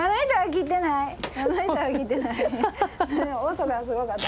音がすごかった。